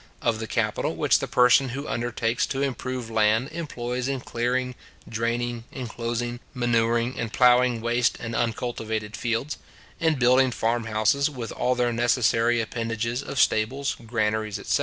of the capital which the person who undertakes to improve land employs in clearing, draining, inclosing, manuring, and ploughing waste and uncultivated fields; in building farmhouses, with all their necessary appendages of stables, granaries, etc.